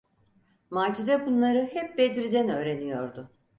Macide bunları hep Bedri’den öğreniyordu.